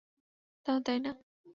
দারুণ, তাইনা?